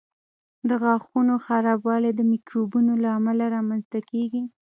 د غاښونو خرابوالی د میکروبونو له امله رامنځته کېږي.